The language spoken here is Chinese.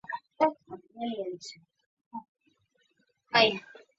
应天府乡试第五十七名。